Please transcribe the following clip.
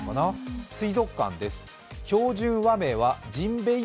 水族館です。